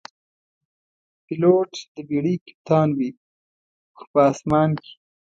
پیلوټ د بېړۍ کپتان وي، خو په آسمان کې.